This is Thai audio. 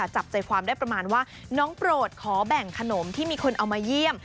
จับใจความได้ประมาณว่าน้องโปรดขอแบ่งขนมที่มีคนเอามาเยี่ยม